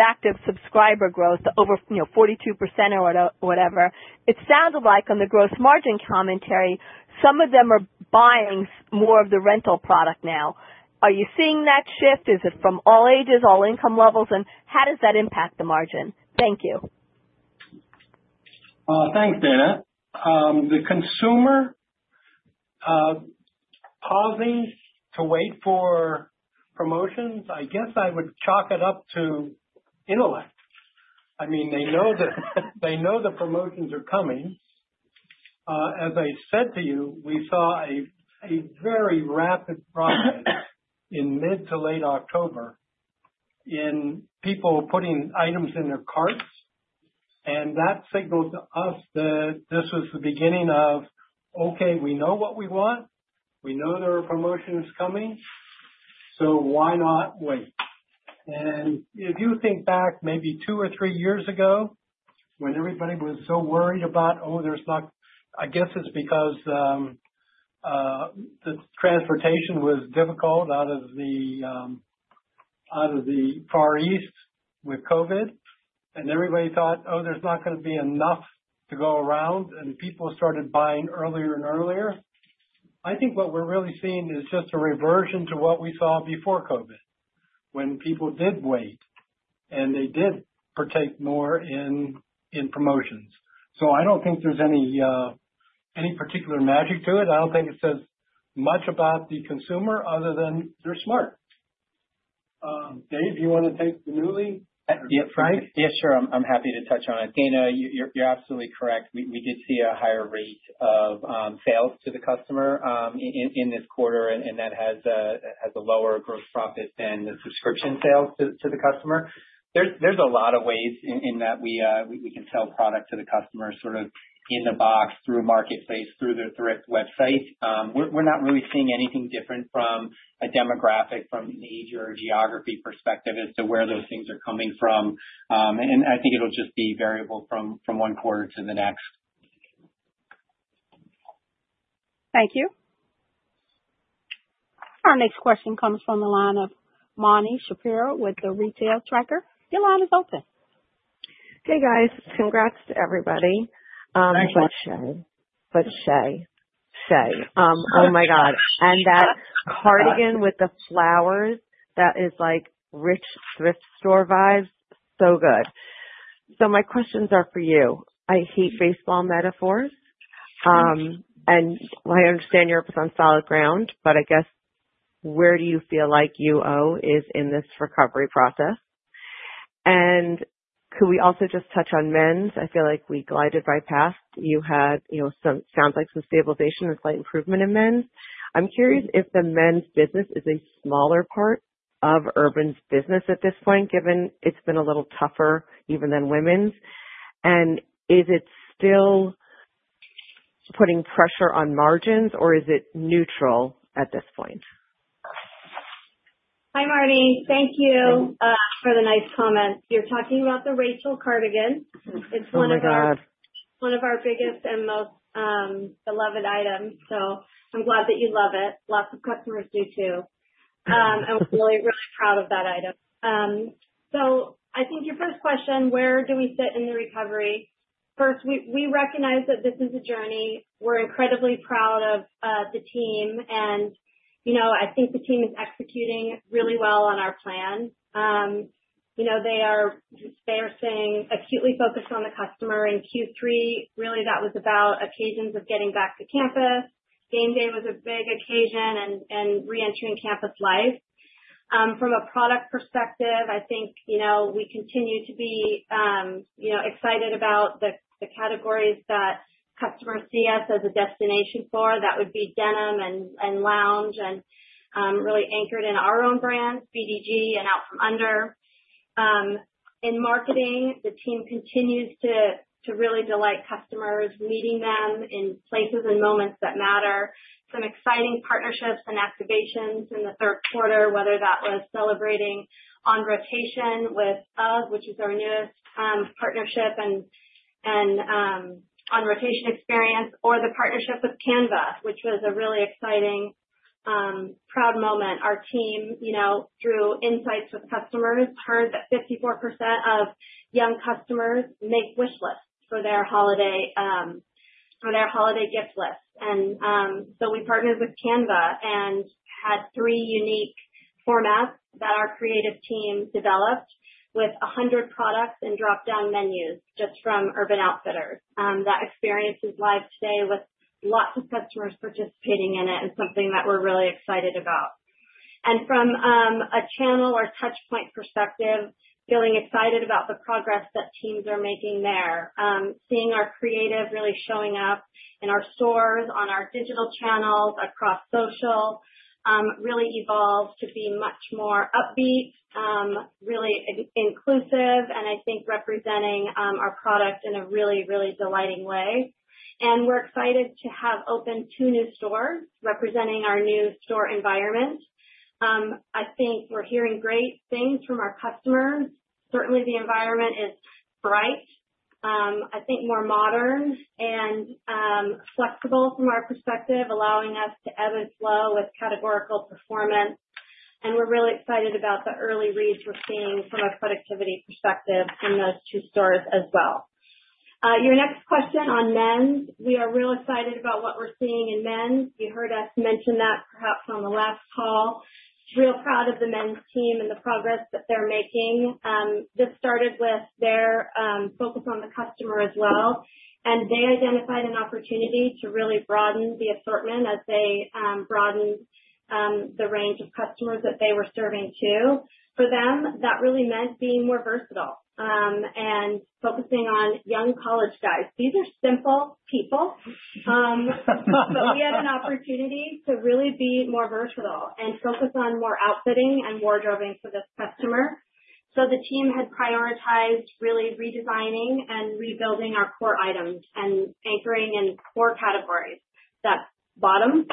active subscriber growth, over, you know, 42% or whatever. It sounded like on the gross margin commentary, some of them are buying more of the rental product now. Are you seeing that shift? Is it from all ages, all income levels, and how does that impact the margin? Thank you. Thanks, Dana. The consumer, pausing to wait for promotions, I guess I would chalk it up to intellect. I mean, they know the promotions are coming. As I said to you, we saw a very rapid progress in mid to late October in people putting items in their carts, and that signaled to us that this was the beginning of, "Okay, we know what we want. We know there are promotions coming, so why not wait?" If you think back maybe two or three years ago, when everybody was so worried about, Oh, there's not. I guess it's because the transportation was difficult out of the.... out of the Far East with COVID. Everybody thought, Oh, there's not gonna be enough to go around. People started buying earlier and earlier. I think what we're really seeing is just a reversion to what we saw before COVID, when people did wait and they did partake more in promotions. I don't think there's any particular magic to it. I don't think it says much about the consumer other than they're smart. Dave, do you wanna take the Nuuly? Yeah. Right? Yeah, sure. I'm happy to touch on it. Dana, you're absolutely correct. We did see a higher rate of sales to the customer in this quarter, and that has a lower gross profit than the subscription sales to the customer. There's a lot of ways in that we can sell product to the customer, sort of in the box, through marketplace, through the Thrift website. We're not really seeing anything different from a demographic, from an age or a geography perspective as to where those things are coming from. I think it'll just be variable from one quarter to the next. Thank you. Our next question comes from the line of Marni Shapiro with The Retail Tracker. Your line is open. Hey, guys. Congrats to everybody. Thank you. Oh, my God! That cardigan with the flowers, that is like rich thrift store vibes. So good. My questions are for you. I hate baseball metaphors, and I understand you're on solid ground, but I guess, where do you feel like UO is in this recovery process? Could we also just touch on men's? I feel like we glided right past. You had, you know, sounds like some stabilization and slight improvement in men's. I'm curious if the men's business is a smaller part of Urban's business at this point, given it's been a little tougher even than women's. Is it still putting pressure on margins, or is it neutral at this point? Hi, Marni. Thank you for the nice comments. You're talking about the Rachel Cardigan. Oh, my God! It's one of our biggest and most beloved items, so I'm glad that you love it. Lots of customers do, too. We're really, really proud of that item. I think your first question, where do we sit in the recovery? First, we recognize that this is a journey. We're incredibly proud of the team, and, you know, I think the team is executing really well on our plan. You know, they are staying acutely focused on the customer. In Q3, really, that was about occasions of getting back to campus. Game day was a big occasion and reentering campus life. From a product perspective, I think, you know, we continue to be, you know, excited about the categories that customers see us as a destination for. That would be denim and lounge, really anchored in our own brands, BDG and Out From Under. In marketing, the team continues to really delight customers, meeting them in places and moments that matter. Some exciting partnerships and activations in the third quarter, whether that was celebrating On Rotation with Us, which is our newest partnership, and On Rotation experience, or the partnership with Canva, which was a really exciting proud moment. Our team, you know, through insights with customers, heard that 54% of young customers make wish lists for their holiday for their holiday gift list. We partnered with Canva and had three unique formats that our creative team developed with 100 products and dropdown menus just from Urban Outfitters. That experience is live today, with lots of customers participating in it, something that we're really excited about. From a channel or touch point perspective, feeling excited about the progress that teams are making there. Seeing our creative really showing up in our stores, on our digital channels, across social, really evolved to be much more upbeat, really inclusive, and I think representing our product in a really delighting way. We're excited to have opened two new stores representing our new store environment. I think we're hearing great things from our customers. Certainly, the environment is bright, I think more modern and flexible from our perspective, allowing us to ebb and flow with categorical performance. We're really excited about the early reads we're seeing from a productivity perspective in those two stores as well. Your next question on men's. We are real excited about what we're seeing in men's. You heard us mention that perhaps on the last call. Real proud of the men's team and the progress that they're making. This started with their focus on the customer as well, and they identified an opportunity to really broaden the assortment as they broadened the range of customers that they were serving, too. For them, that really meant being more versatile and focusing on young college guys. These are simple people. We had an opportunity to really be more versatile and focus on more outfitting and wardrobing for this customer. The team had prioritized really redesigning and rebuilding our core items and anchoring in core categories. That's bottoms,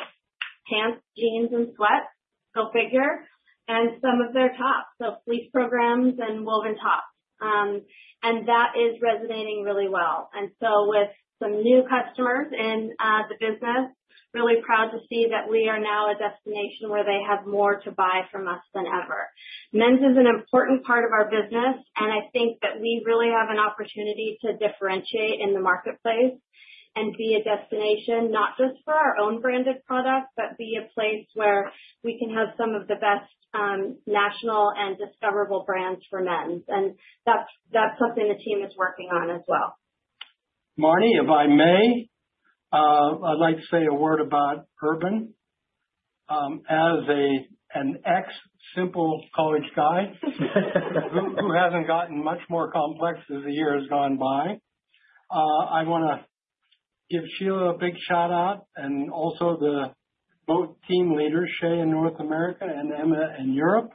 pants, jeans, and sweats, go figure, and some of their tops, so fleece programs and woven tops. That is resonating really well. With some new customers in the business, really proud to see that we are now a destination where they have more to buy from us than ever. Men's is an important part of our business, and I think that we really have an opportunity to differentiate in the marketplace and be a destination, not just for our own branded products, but be a place where we can have some of the best national and discoverable brands for men's. That's something the team is working on as well. Marni, if I may, I'd like to say a word about Urban. As an ex-simple college guy, who hasn't gotten much more complex as the year has gone by, I wanna give Sheila a big shout-out and also the both team leaders, Shea in North America and Emma in Europe.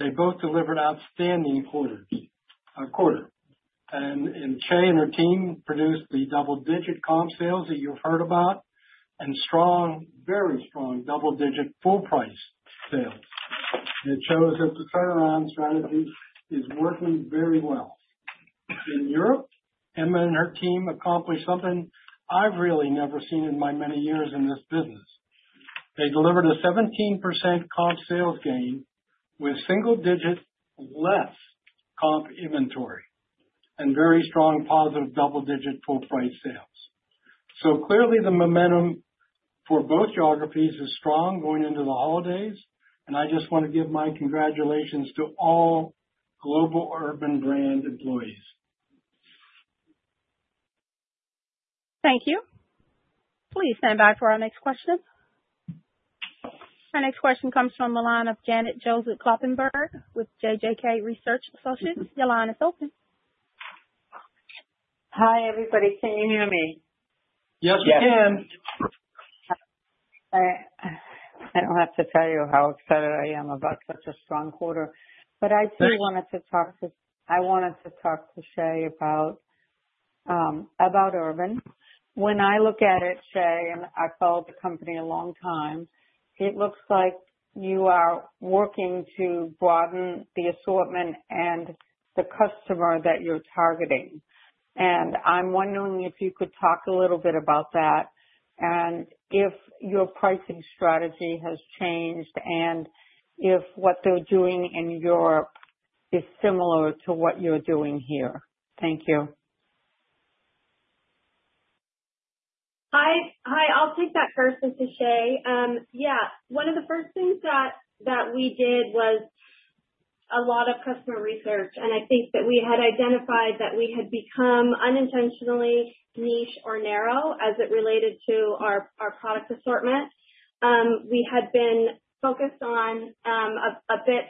They both delivered outstanding quarter. Shea and her team produced the double-digit comp sales that you've heard about, and strong, very strong double-digit full price sales. It shows that the turnaround strategy is working very well. In Europe, Emma and her team accomplished something I've really never seen in my many years in this business. They delivered a 17% comp sales gain with single-digit, less comp inventory and very strong positive double-digit full price sales. Clearly the momentum for both geographies is strong going into the holidays, and I just wanna give my congratulations to all global Urban brand employees. Thank you. Please stand by for our next question. Our next question comes from the line of Janet Joseph Kloppenburg with JJK Research Associates. Your line is open. Hi, everybody. Can you hear me? Yes, we can. Yes. All right. I don't have to tell you how excited I am about such a strong quarter, but I wanted to talk to Shea about Urban. When I look at it, Shea, and I've followed the company a long time, it looks like you are working to broaden the assortment and the customer that you're targeting. I'm wondering if you could talk a little bit about that and if your pricing strategy has changed and if what they're doing in Europe is similar to what you're doing here. Thank you. Hi. Hi, I'll take that first. This is Shea. Yeah. One of the first things that we did was a lot of customer research, and I think that we had identified that we had become unintentionally niche or narrow as it related to our product assortment. We had been focused on a bit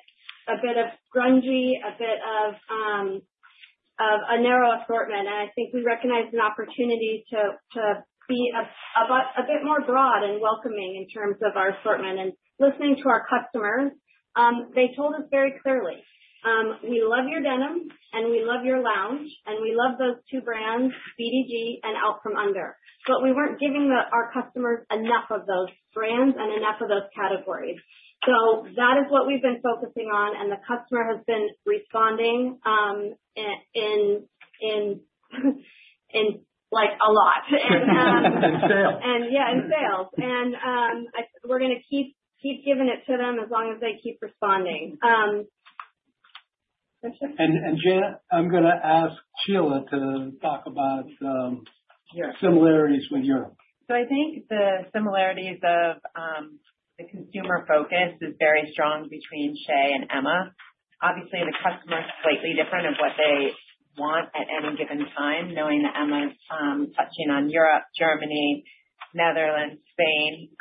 of grungy, a bit of a narrow assortment, and I think we recognized an opportunity to be a bit more broad and welcoming in terms of our assortment. Listening to our customers, they told us very clearly, "We love your denim, and we love your lounge, and we love those two brands, BDG and Out from Under." We weren't giving our customers enough of those brands and enough of those categories. That is what we've been focusing on, and the customer has been responding, in, like, a lot. In sales. Yeah, in sales. We're gonna keep giving it to them as long as they keep responding. Next question? Janet, I'm gonna ask Sheila to talk about similarities with Europe. I think the similarities of the consumer focus is very strong between Shea and Emma. Obviously, the customer is slightly different of what they want at any given time, knowing that Emma is touching on Europe, Germany, Netherlands, Spain,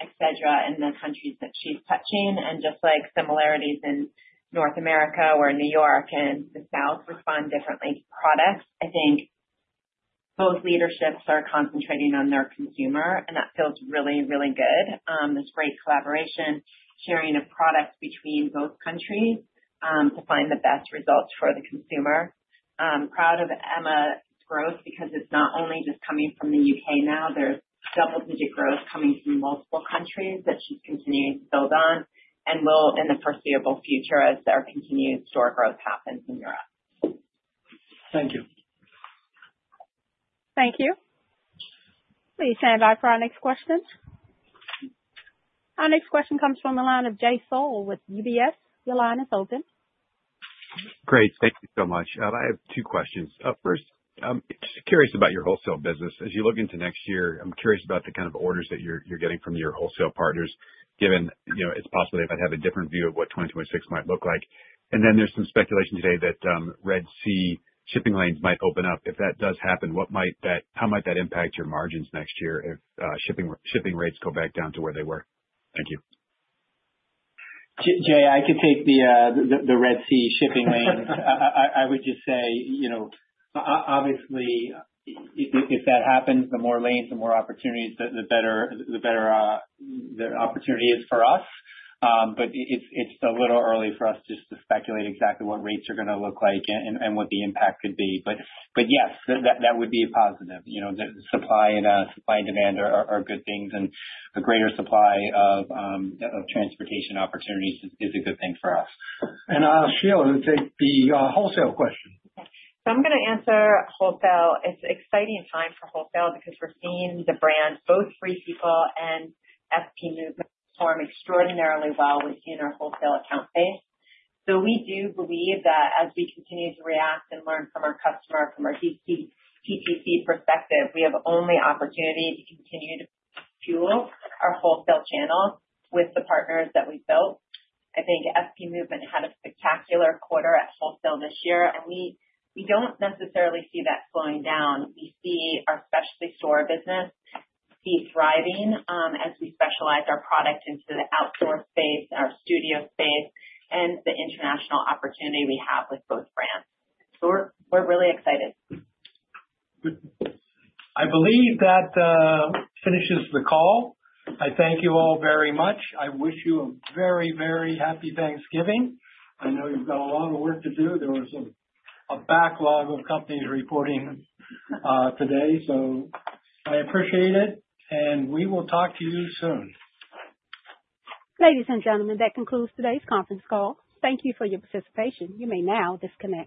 et cetera, and the countries that she's touching. Just like similarities in North America or New York and the South respond differently to products, I think both leaderships are concentrating on their consumer, and that feels really, really good. It's great collaboration, sharing of products between both countries to find the best results for the consumer. I'm proud of Emma's growth because it's not only just coming from the UK now, there's double-digit growth coming from multiple countries that she's continuing to build on and will in the foreseeable future as our continued store growth happens in Europe. Thank you. Thank you. Please stand by for our next question. Our next question comes from the line of Jay Sole with UBS. Your line is open. Great. Thank you so much. I have two questions. First, I'm just curious about your Wholesale business. As you look into next year, I'm curious about the kind of orders that you're getting from your Wholesale partners, given, you know, it's possible they might have a different view of what 2024 might look like. There's some speculation today that Red Sea shipping lanes might open up. If that does happen, how might that impact your margins next year if shipping rates go back down to where they were? Thank you. Jay, I can take the Red Sea shipping lanes. I would just say, you know, obviously, if that happens, the more lanes, the more opportunities, the better the opportunity is for us. It's a little early for us just to speculate exactly what rates are gonna look like and what the impact could be. Yes, that would be a positive. You know, the supply and demand are good things, and a greater supply of transportation opportunities is a good thing for us. I'll ask Sheila to take the Wholesale question. I'm gonna answer Wholesale. It's an exciting time for Wholesale because we're seeing the brand, both Free People and FP Movement, perform extraordinarily well within our Wholesale account base. We do believe that as we continue to react and learn from our customer, from our DTC perspective, we have only opportunity to continue to fuel our Wholesale channel with the partners that we've built. I think FP Movement had a spectacular quarter at Wholesale this year, and we don't necessarily see that slowing down. We see our specialty store business be thriving, as we specialize our product into the outdoor space, our studio space, and the international opportunity we have with both brands. We're really excited. Good. I believe that finishes the call. I thank you all very much. I wish you a very, very happy Thanksgiving. I know you've got a lot of work to do. There was a backlog of companies reporting today. I appreciate it, and we will talk to you soon. Ladies and gentlemen, that concludes today's conference call. Thank you for your participation. You may now disconnect.